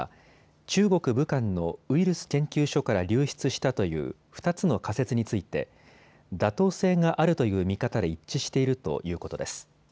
中国・武漢のウイルス研究所から流出したという２つの仮説について妥当性があるという見方で一致しているということです。